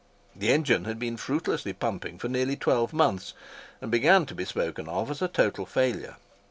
The engine had been fruitlessly pumping for nearly twelve months, and began to be spoken of as a total failure.